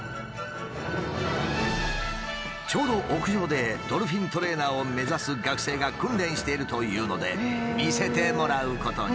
ちょうど屋上でドルフィントレーナーを目指す学生が訓練しているというので見せてもらうことに。